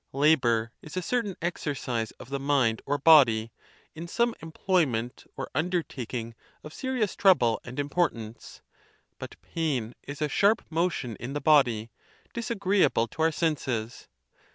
Labor is a certain exercise of the mind or body, in some employment or undertaking of serious trouble and importance; but pain is a sharp mo tion in the body, disagreeable to our senses.